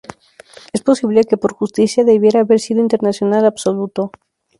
Es posible que por justicia debiera haber sido internacional absoluto.